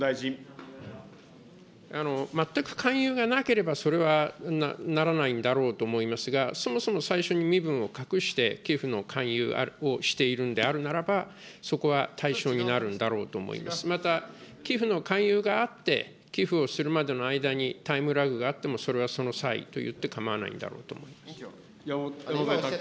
全く勧誘がなければ、それはならないんだろうと思いますが、そもそも最初に身分を隠して、寄付の勧誘をしているのであるならば、そこは対象になるんだろうと思いますし、また寄付の勧誘があって、寄付をするまでの間にタイムラグがあってもそれはその際と言って山添拓君。